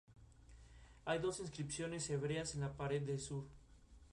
Su frialdad a la hora de definir captó la atención de varios clubes.